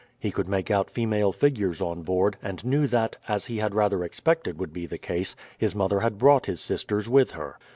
He could make out female figures on board, and knew that, as he had rather expected would be the case, his mother had brought his sisters with her.